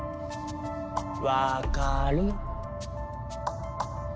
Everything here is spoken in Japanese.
わかる？